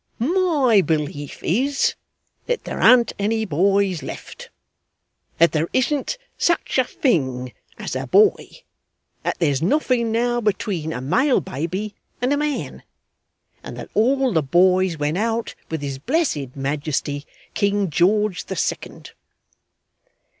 My belief is that there an't any boys left that there isn't such a thing as a boy that there's nothing now between a male baby and a man and that all the boys went out with his blessed Majesty King George the Second.